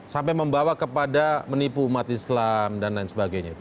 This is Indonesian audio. sampai membawa kepada menipu umat islam dan lain sebagainya